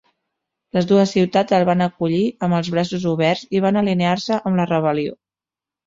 Les dues ciutats el van acollir amb els braços oberts i van alinear-se amb la rebel·lió.